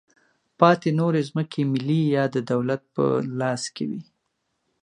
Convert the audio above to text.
پاتې نورې ځمکې ملي یا د دولت په لاس کې وې.